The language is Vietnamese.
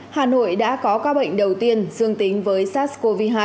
hà nội đã có ca bệnh đầu tiên dương tính với sars cov hai